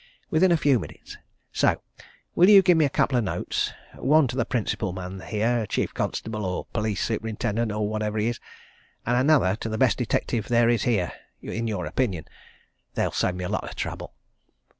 Within a few minutes. So will you give me a couple of notes one to the principal man here chief constable, or police superintendent, or whatever he is; and another to the best detective there is here in your opinion. They'll save me a lot of trouble."